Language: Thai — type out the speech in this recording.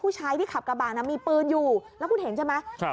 ผู้ชายที่ขับกระบะน่ะมีปืนอยู่แล้วคุณเห็นใช่ไหม